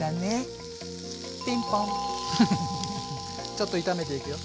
ちょっと炒めていくよ